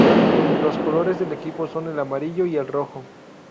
Los colores del equipo son el amarillo y el rojo.